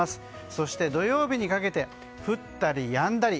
そして土曜日にかけて降ったりやんだり。